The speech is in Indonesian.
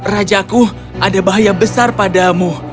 rajaku ada bahaya besar padamu